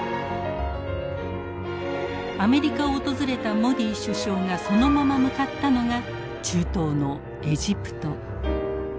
アメリカを訪れたモディ首相がそのまま向かったのが中東のエジプト。